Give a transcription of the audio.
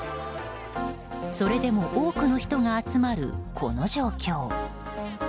それでも多くの人が集まるこの状況。